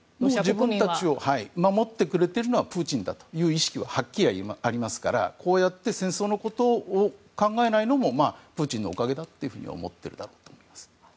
自分たちを守ってくれているのはプーチンだという意識ははっきりありますからこうやって戦争のことを考えないのもプーチンのおかげだと思っているんだと思います。